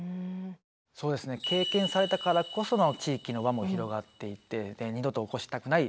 そうですね経験されたからこその地域の輪も広がっていって二度と起こしたくない。